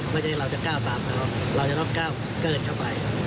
ไม่ใช่ว่าเราจะก้าวตามเขาเราจะต้องก้าวเกิดเข้าไป